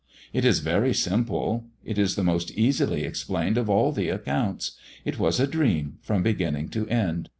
"It is very simple. It is the most easily explained of all the accounts. It was a dream from beginning to end.